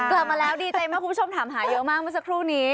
กลับมาแล้วดีใจมากคุณผู้ชมถามหาเยอะมากเมื่อสักครู่นี้